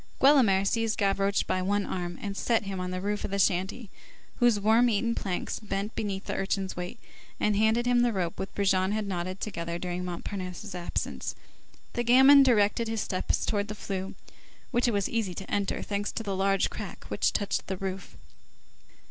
Guelemer seized Gavroche by one arm, set him on the roof of the shanty, whose worm eaten planks bent beneath the urchin's weight, and handed him the rope which Brujon had knotted together during Montparnasse's absence. The gamin directed his steps towards the flue, which it was easy to enter, thanks to a large crack which touched the roof.